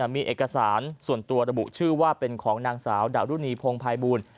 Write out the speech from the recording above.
มีเอกสารส่วนตัวระบุชื่อว่าเป็นของนางสาวดารุณีพงภัยบูล